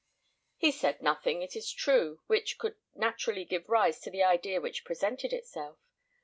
He said nothing, it is true, which could naturally give rise to the idea which presented itself.